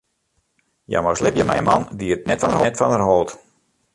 Hja moast libje mei in man dy't net fan har hold.